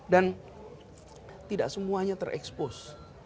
dan tidak semuanya terekspos